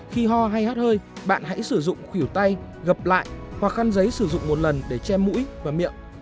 khi ho hay hát hơi bạn hãy sử dụng khỉu tay gập lại hoặc khăn giấy sử dụng một lần để che mũi và miệng